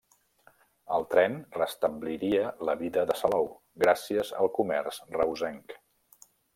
El tren restabliria la vida de Salou, gràcies al comerç reusenc.